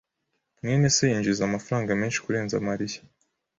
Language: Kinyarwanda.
mwene se yinjiza amafaranga menshi kurenza Mariya.